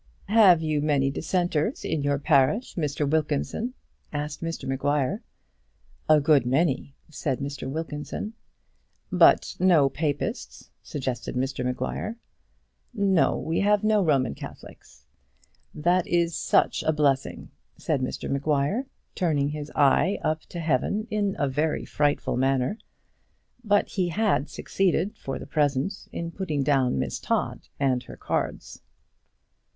"Have you many Dissenters in your parish, Mr Wilkinson?" asked Mr Maguire. "A good many," said Mr Wilkinson. "But no Papists?" suggested Mr Maguire. "No, we have no Roman Catholics." "That is such a blessing!" said Mr Maguire, turning his eyes up to Heaven in a very frightful manner. But he had succeeded for the present in putting down Miss Todd and her cards.